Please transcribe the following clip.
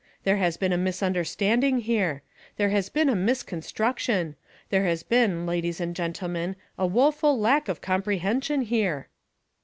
There has been a misunderstanding here! There has been a misconstruction! There has been, ladies and gentlemen, a woeful lack of comprehension here!"